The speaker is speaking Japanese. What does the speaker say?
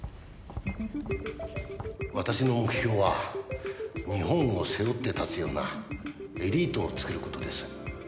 私の目標は日本を背負って立つようなエリートを作る事です。